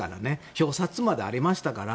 表札までありましたから。